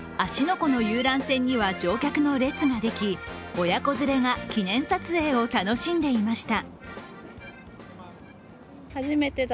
湖の遊覧船には乗客の列ができ親子連れが記念撮影を楽しんでいました。